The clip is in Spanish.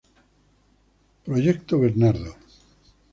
Bernard Project.